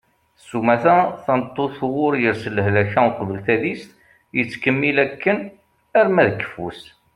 sumata tameṭṭut uɣur yers lehlak-a uqbel tadist yettkemmil akken arma d keffu-s